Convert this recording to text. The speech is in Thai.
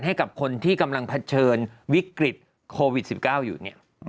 ให้กับคนที่กำลังเผชิญวิกฤตโควิด๑๙อยู่เนี่ย